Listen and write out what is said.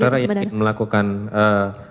saudara ingin melakukan apa